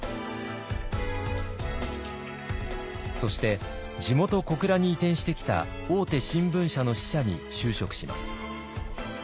そして地元・小倉に移転してきた大手新聞社の支社に就職します。